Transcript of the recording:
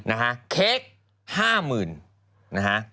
นะฮะเค้ก๕๐๐๐๐บาท